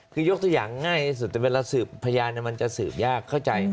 คือยกตัวอย่างง่ายที่สุดแต่เวลาสืบพยานมันจะสืบยากเข้าใจ